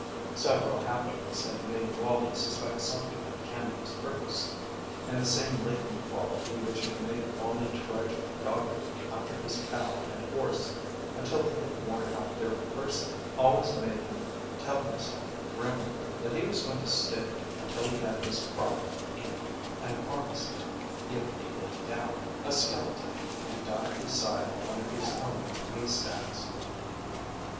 Several happenings had made Wallie suspect something of Canby's purpose, and the same latent quality which had made Wallie trudge doggedly after his cow and horse until he had worn out their perversity always made him tell himself grimly that he was going to stick until he had his crop in and harvested if he laid down, a skeleton, and died beside one of his own haystacks.